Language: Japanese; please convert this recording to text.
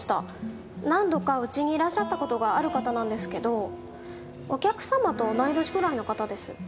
何度かうちにいらっしゃった事がある方なんですけどお客様と同い年ぐらいの方です。